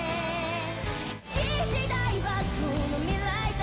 「新時代はこの未来だ」